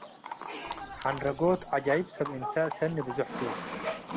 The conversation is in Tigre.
ሐንረጎት፤ ዐጃይብ ሰብ እንሰ ሰኒ ብዞሕ ቱ ።